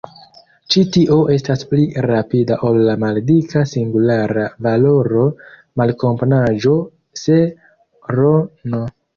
Ĉi tio estas pli rapida ol la maldika singulara valoro malkomponaĵo se "r«n".